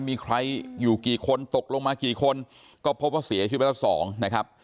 มีใครอยู่กี่คนตกลงมากี่คนก็พบว่าเสียชีวิตไปละสองนะครับ